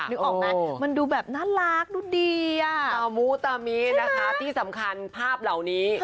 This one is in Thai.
นึกออกไหมมันดูแบบน่ารักดูดีอ่ะตามูตามินะคะที่สำคัญภาพเหล่านี้